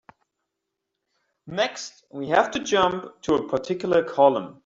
Next, we have to jump to a particular column.